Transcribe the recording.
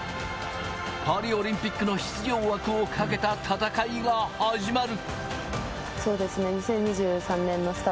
パリオリンピックの出場枠を懸けた戦いが始まる。